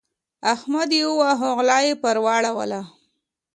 احمد يې وواهه؛ غلا يې پر واړوله.